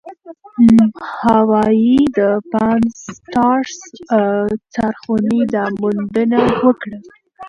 هاوايي د پان-سټارس څارخونې دا موندنه وکړه.